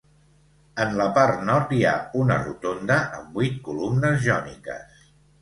En la part nord hi ha una rotonda amb vuit columnes jòniques.